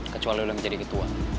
kecuali udah menjadi ketua